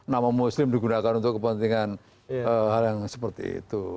nama muslim digunakan untuk kepentingan hal yang seperti itu